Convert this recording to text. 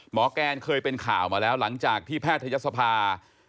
แกนเคยเป็นข่าวมาแล้วหลังจากที่แพทยศภา